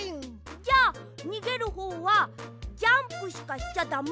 じゃにげるほうはジャンプしかしちゃだめ。